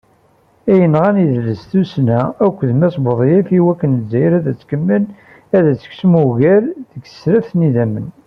I yenɣan idles, tussna akked d Mass Buḍyaf iwakken Lezzayer ad tkemmel ad tekcem ugar deg tesraft n yidammen.